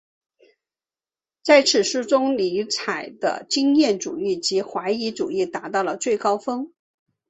在此书中尼采的经验主义及怀疑主义达到最高峰。